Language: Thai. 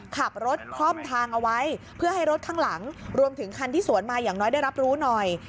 ขับรถคล่อมทางเอาไว้เพื่อให้รถข้างหลังรวมถึงคันที่สวนมาอย่างน้อยได้รับรู้หน่อย